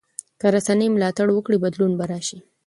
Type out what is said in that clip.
که رسنۍ ملاتړ وکړي بدلون به راشي.